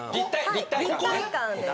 立体感です。